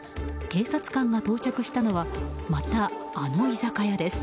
警察官が到着したのはまた、あの居酒屋です。